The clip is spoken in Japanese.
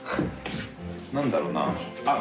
何だろうなあっ